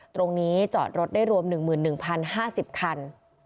ตรงนี้จอดรถได้รวม๑๑๐๕๐คัน